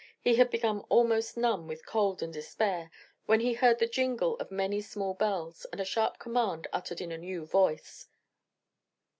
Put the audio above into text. He had become almost numb with cold and despair when he heard the jingle of many small bells, and a sharp command uttered in a new voice.